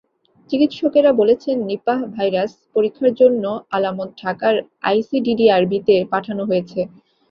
চিকিৎসকেরা বলছেন, Nipah virus পরীক্ষার জন্য আলামত ঢাকার আইসিডিডিআরবিতে পাঠানো হয়েছে।